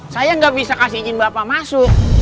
saya nggak bisa kasih izin bapak masuk